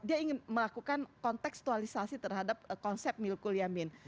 dia ingin melakukan konteksualisasi terhadap konsep milkul yamin